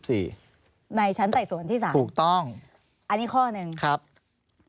ในชั้นใต่สวนที่สารอันนี้ข้อหนึ่งครับถูกต้อง